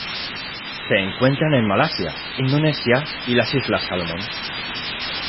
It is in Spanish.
Se encuentran en Malasia, Indonesia y las islas Salomón.